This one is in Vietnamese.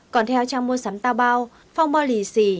còn theo trang mua sắm tao bao phong bò lì xì